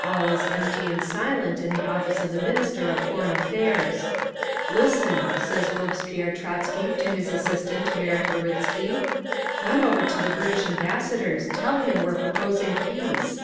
All is empty and silent in the office of the Minister of Foreign Affairs. "'Listen,' says Robespierre Trotzky to his assistant Marat Uritzky, 'run over to the British Ambassador's, tell him we're proposing peace!